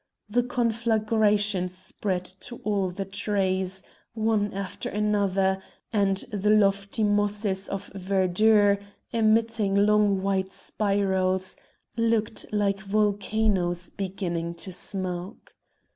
The conflagration spread to all the trees, one after another, and the lofty mosses of verdure, emitting long white spirals, looked like volcanoes beginning to smoke.